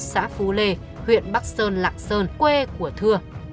xã phú lê huyện bắc sơn lạc sơn quê của thưa